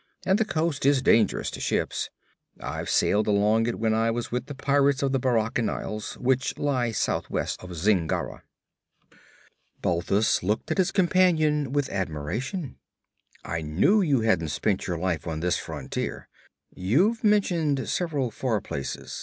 And the coast is dangerous to ships. I've sailed along it when I was with the pirates of the Barachan Isles, which lie southwest of Zingara.' Balthus looked at his companion with admiration. 'I knew you hadn't spent your life on this frontier. You've mentioned several far places.